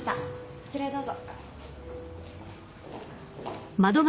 こちらへどうぞ。